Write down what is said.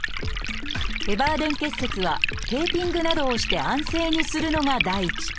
ヘバーデン結節はテーピングなどをして安静にするのが第一。